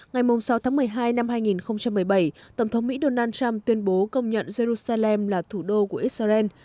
ngày sáu tháng một mươi hai năm hai nghìn một mươi bảy tổng thống mỹ donald trump tuyên bố công nhận jerusalem là thủ đô của israel